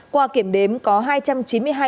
qua kiểm đếm có hai trăm linh chiếc xe